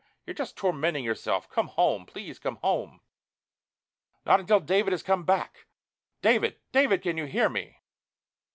"You're just tormenting yourself. Come home. Please come home." "Not until David has come back.... David, David, can you hear me?"